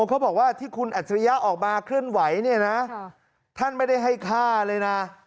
เขาบอกว่าที่คุณอัจฉริยะออกมาเคลื่อนไหวเนี่ยนะท่านไม่ได้ให้ฆ่าเลยนะ